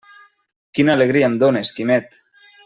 Quina alegria em dónes, Quimet!